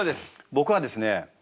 僕はですね